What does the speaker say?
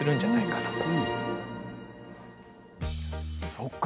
そっか。